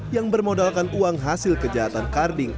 yang bermodalkan uang hasil kejahatan karding